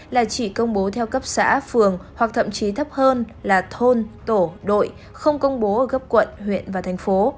là chỉ công bố theo cấp xã phường hoặc thậm chí thấp hơn là thôn tổ đội không công bố ở cấp quận huyện và thành phố